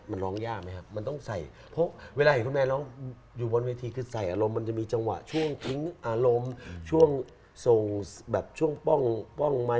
มันร้องยากไหมครับมันต้องใส่